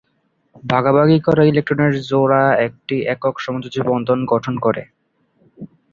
ভাগাভাগি করা ইলেকট্রনের জোড়া একটি একক সমযোজী বন্ধন গঠন করে।